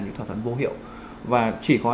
những thỏa thuận vô hiệu và chỉ có